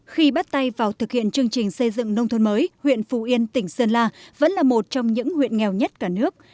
khi bắt tay vào thực hiện chương trình xây dựng nông thôn mới huyện phù yên tỉnh sơn la vẫn là một trong những huyện nghèo nhất cả nước